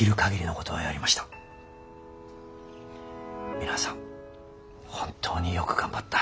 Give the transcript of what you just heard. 皆さん本当によく頑張った。